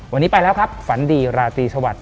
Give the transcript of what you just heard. วันนี้ไปแล้วครับฝันดีราตรีสวัสดิ